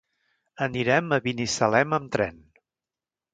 Anirem a Binissalem amb tren.